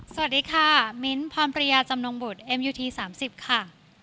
สวัสดีค่ะมิ้นท์พรปริยาจำนงบุตรเอ็มยูที๓๐ค่ะ